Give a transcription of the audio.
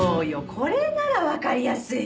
これならわかりやすいわよ。